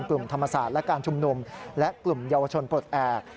กลุ่มธรรมศาสตร์และการชุมนุมและกลุ่มเยาวชนปลดแอบ